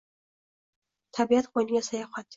Tabiat qo‘yniga sayohat